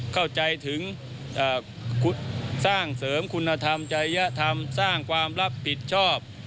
เข้าใจถึงสร้างเสริมคุณธรรมจริยธรรมสร้างความรับผิดชอบ